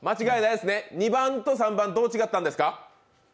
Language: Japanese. ２番と３番どう違ったんですか？